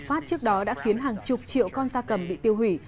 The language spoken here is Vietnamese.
phát trước đó đã khiến hàng chục triệu con da cầm bị tiêu hủy